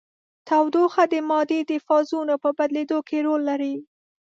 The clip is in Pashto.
تودوخه د مادې د فازونو په بدلیدو کې رول لري.